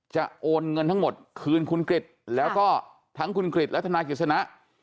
โอนเงินทั้งหมดคืนคุณกริจแล้วก็ทั้งคุณกริจและทนายกฤษณะ